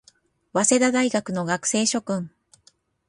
早稲田大学の学生諸君